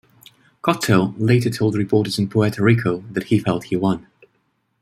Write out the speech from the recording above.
Cotto later told reporters in Puerto Rico that he felt he won.